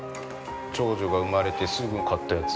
長女が産まれてすぐ買ったやつ。